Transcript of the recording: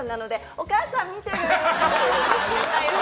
お母さん、見てる？